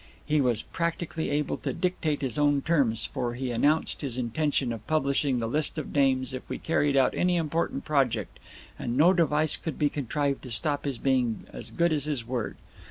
He was practically able to dictate his own terms, for he announced his intention of publishing the list of names if we carried out any important project, and no device could be contrived to stop his being as good as his word.